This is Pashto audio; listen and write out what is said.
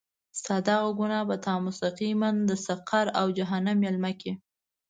ستا دغه ګناه به تا مستقیماً د سقر او جهنم میلمه کړي.